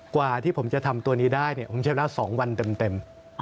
กว่าที่ผมจะทำตัวนี้ได้ผมเชื่อว่า๒วันเต็ม